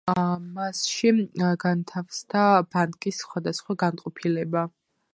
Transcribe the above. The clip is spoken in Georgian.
მასში განთავსდა ბანკის სხვადასხვა განყოფილება.